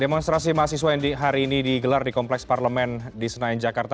demonstrasi mahasiswa yang hari ini digelar di kompleks parlemen di senayan jakarta